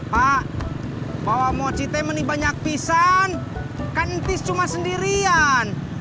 pak bawa mochi ini banyak pisan kan ntis cuma sendirian